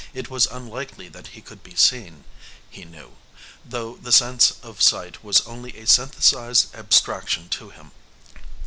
It was unlikely that he could be seen, he knew, though the sense of sight was only a synthesized abstraction to him.